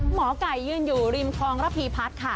หมอไก่ยืนอยู่ริมคลองระพีพัฒน์ค่ะ